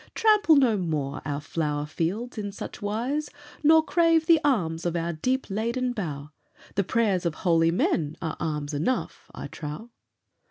Trample no more our flower fields in such wise, Nor crave the alms of our deep laden bough; The prayers of holy men are alms enough, I trow."